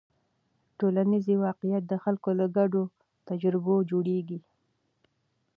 ټولنیز واقیعت د خلکو له ګډو تجربو جوړېږي.